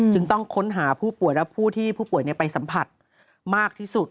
ต้องค้นหาผู้ป่วยและผู้ที่ผู้ป่วยไปสัมผัสมากที่สุด